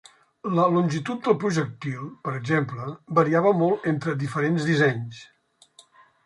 La longitud del projectil, per exemple, variava molt entre diferents dissenys.